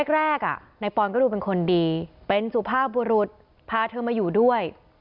แรกนายปอนก็ดูเป็นคนดีเป็นสุภาพบุรุษพาเธอมาอยู่ด้วย